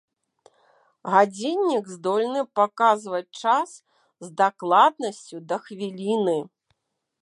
Гадзіннік здольны паказваць час з дакладнасцю да хвіліны.